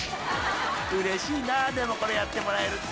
［うれしいなでもこれやってもらえるって］